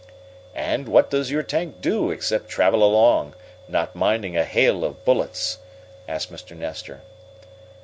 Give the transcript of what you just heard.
"And what does your tank do except travel along, not minding a hail of bullets?" asked Mr. Nestor.